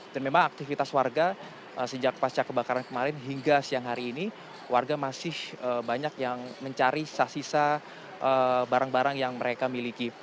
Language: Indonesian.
dan memang aktivitas warga sejak pasca kebakaran kemarin hingga siang hari ini warga masih banyak yang mencari sisa sisa barang barang yang mereka miliki